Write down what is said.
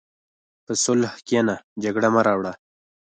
په صلح کښېنه، جګړه مه راوړه.